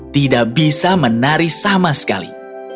tidak bisa menari sama sekali